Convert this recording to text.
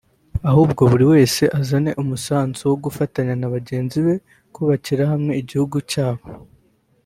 ahubwo buri wese azane umusanzu wo gufatanya na bagenzi be kubakira hamwe igihugu cyabo